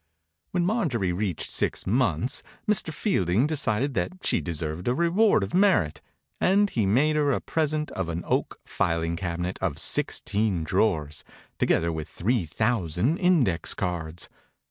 When Marjorie reached six months Mr. Fielding decided that she deserved a reward of merit, and he made her a present of an oak filing cabinet of six teen drawers, together with three thousand index cards.